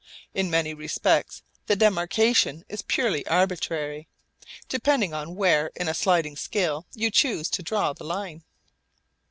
In many respects the demarcation is purely arbitrary, depending upon where in a sliding scale you choose to draw the line.